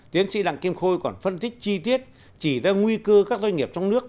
tiến sĩ đặng kim khôi còn phân tích chi tiết chỉ ra nguy cơ các doanh nghiệp trong nước